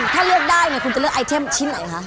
ถ้าเลือกได้เนี่ยคุณจะเลือกไอเทมชิ้นไหนคะ